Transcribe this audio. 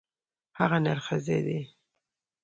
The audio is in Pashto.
هغه نرښځی دی.